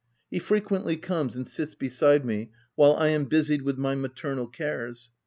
He frequently comes and sits beside me while I am busied with my ma ternal cares.